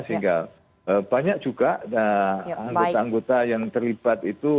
sehingga banyak juga anggota anggota yang terlibat itu